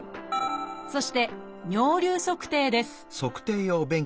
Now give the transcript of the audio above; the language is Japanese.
そして「尿流測定」です